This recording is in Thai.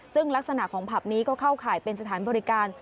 ซึ่งลักษณะของผับนี้ก็เข้าข่ายเป็นสถานบริการ